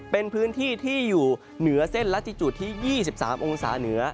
เป็นพื้นที่ที่อยู่เหนือเส้นและจิจุดที่๒๓องศาเหนือ